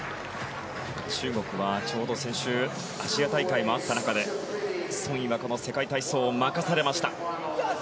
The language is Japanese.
中国はちょうど先週アジア大会もあった中でソン・イはこの世界体操を任されました。